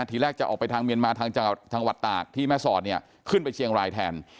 ทีแรกจะออกไปทางเมียนมาทางจังหวัดตากที่แม่สอดเนี่ยขึ้นไปเชียงรายแทน